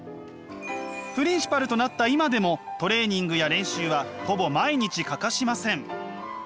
プリンシパルとなった今でもトレーニングや練習はほぼ毎日欠かしません。